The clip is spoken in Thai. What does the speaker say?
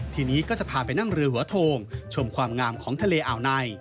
ทีนี้ก็จะพาไปนั่งเรือหัวโทงชมความงามของทะเลอ่าวใน